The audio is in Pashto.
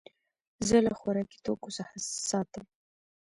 زه له خوراکي توکو څخه ساتم.